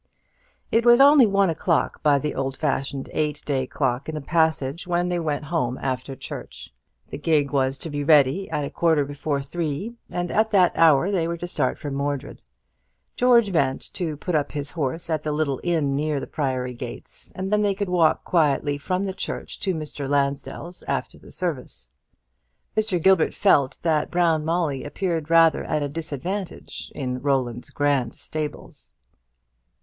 It was only one o'clock, by the old fashioned eight day clock in the passage, when they went home after church. The gig was to be ready at a quarter before three, and at that hour they were to start for Mordred. George meant to put up his horse at the little inn near the Priory gates, and then they could walk quietly from the church to Mr. Lansdell's after the service. Mr. Gilbert felt that Brown Molly appeared rather at a disadvantage in Roland's grand stables.